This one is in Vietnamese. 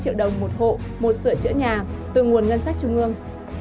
hai triệu đồng một hộ một sửa chữa nhà từ nguồn ngân sách trung ương